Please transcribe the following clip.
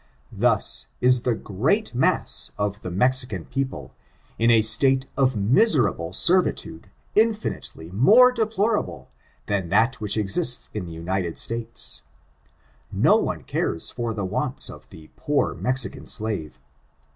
Thus, is the great mass of the Mexican people I I I ' FOllTUNCS, OF THE NEGKO RACE. 417 in a state of miserable servitude infinitely more deplor able than that which exists in the United States. No one cares for the wants of the poor Mexican slavi>.